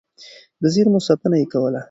د زېرمو ساتنه يې کوله.